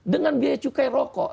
dengan biaya cukai rokok